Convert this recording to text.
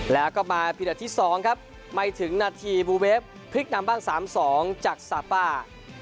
แล้วก็มาพีเดิร์ดที่สองครับไม่ถึงนาทีบูเวฟพลิกนำบ้างสามสองจากซาป้า